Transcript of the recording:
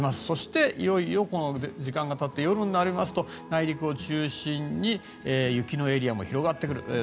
そして、いよいよ時間がたって夜になりますと内陸を中心に雪のエリアも広がってくる。